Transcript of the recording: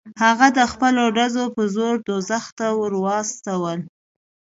هغه د خپلو ډزو په زور دوزخ ته ور واستاوه.